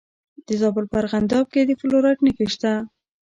د زابل په ارغنداب کې د فلورایټ نښې شته.